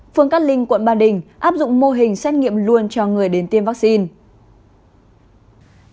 phường cát linh quận ba đình áp dụng mô hình xét nghiệm luôn cho người đến tiêm vaccine